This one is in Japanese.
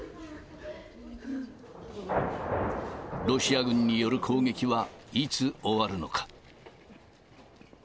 ロシア軍による攻撃はいつ終わるのか。